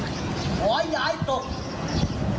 มาหายัดเผื่อสำภาคม